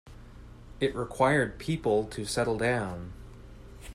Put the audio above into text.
It required people to settle down.